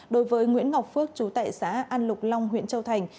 đối với nguyễn ngọc phước chú tại xã an lục long huyện châu thành